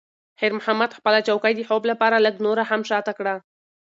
خیر محمد خپله چوکۍ د خوب لپاره لږ نوره هم شاته کړه.